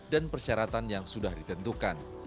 dan persyaratan yang sudah ditentukan